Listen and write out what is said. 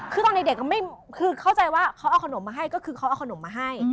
คือตอนเด็กคือเข้าใจว่าเขาเอาขนมมาให้ก็คือเขาเอาขนมมาให้